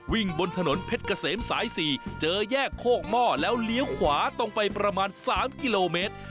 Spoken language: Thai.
บนถนนเพชรเกษมสาย๔เจอแยกโคกหม้อแล้วเลี้ยวขวาตรงไปประมาณ๓กิโลเมตร